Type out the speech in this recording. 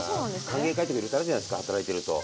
歓迎会とかいろいろとあるじゃないですか働いてると。